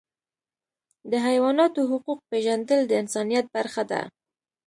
د حیواناتو حقوق پیژندل د انسانیت برخه ده.